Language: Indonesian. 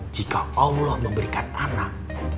jika allah memberikan anak